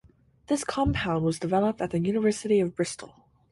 This compound was developed at the University of Bristol.